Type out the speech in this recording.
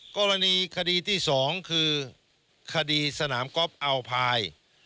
กรณีคดีที่สองคือคดีสนามก๊อปเอาพาย